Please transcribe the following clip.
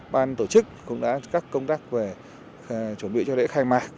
ban tổ chức cũng đã các công tác về chuẩn bị cho lễ khai mạc